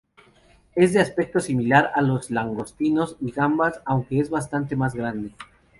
Es de aspecto similar a los langostinos y gambas, aunque es bastante más grande.